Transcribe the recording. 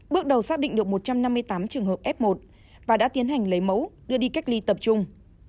bước đầu xác định được một trăm năm mươi tám trường hợp f một và đã tiến hành lấy mẫu đưa đi cách ly tập trung